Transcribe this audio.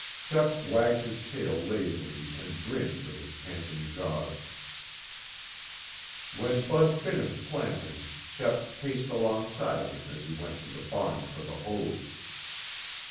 Shep wagged his tail lazily and grinned with his panting jaws. When Bud finished planting, Shep paced alongside him as he went to the barn for the hose.